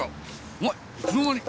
お前いつの間に！